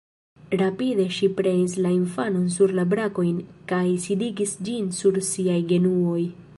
Rapide ŝi prenis la infanon sur la brakojn kaj sidigis ĝin sur siaj genuoj.